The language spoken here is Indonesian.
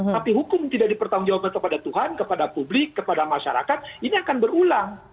tapi hukum tidak dipertanggungjawabkan kepada tuhan kepada publik kepada masyarakat ini akan berulang